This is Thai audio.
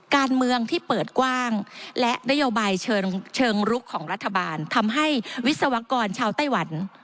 การเมืองที่เปิดกว้างและนโยบายเชิงลุกของรัฐบาลทำให้วิศวกรชาวไต้หวัน